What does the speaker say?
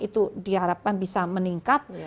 itu diharapkan bisa meningkat